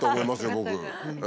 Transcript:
僕。